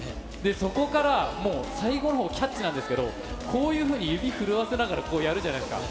そこからもう、最後のほう、キャッチなんですけど、こういうふうに指震わせながらこうやるじゃないですか。